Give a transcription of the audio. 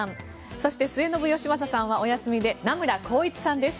そして末延吉正さんはお休みで名村晃一さんです。